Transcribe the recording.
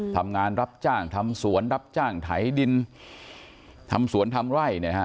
ทำงานรับจ้างทำสวนรับจ้างไถดินทำสวนทำไร่เนี่ยฮะ